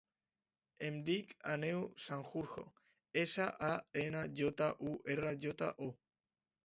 Em dic Aneu Sanjurjo: essa, a, ena, jota, u, erra, jota, o.